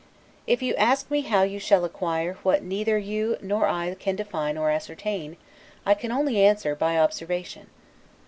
If you ask me how you shall acquire what neither you nor I can define or ascertain, I can only answer, BY OBSERVATION.